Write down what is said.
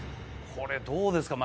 これどうですか？